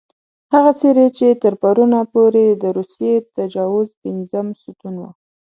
هغه څېرې چې تر پرونه پورې د روسي تجاوز پېنځم ستون وو.